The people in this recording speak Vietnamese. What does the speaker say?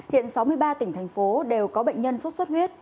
hiện sáu mươi ba tỉnh thành phố đều có bệnh nhân sốt xuất huyết